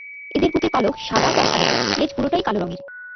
এদের বুকের পালক সাদা বা সাদাটে, লেজ পুরোটাই কালো রঙের।